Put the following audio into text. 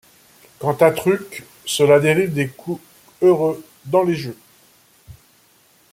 Quant à truc, cela dérive des coups heureux dans les jeux.